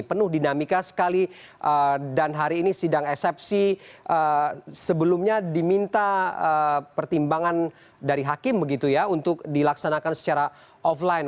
penuh dinamika sekali dan hari ini sidang eksepsi sebelumnya diminta pertimbangan dari hakim begitu ya untuk dilaksanakan secara offline